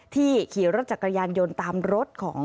ที่ขี่รถจากกยานโยนตามรถ